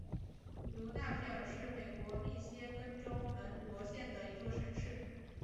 卢纳皮尔是美国密歇根州门罗县的一座城市。